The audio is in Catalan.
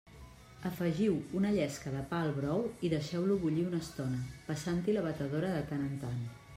Afegiu una llesca de pa al brou i deixeu-lo bullir una estona, passant-hi la batedora de tant en tant.